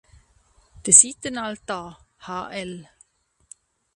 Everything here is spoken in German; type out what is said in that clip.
Den Seitenaltar hl.